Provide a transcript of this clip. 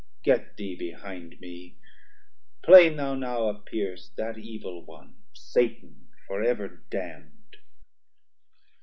Get thee behind me; plain thou now appear'st That Evil one, Satan for ever damn'd.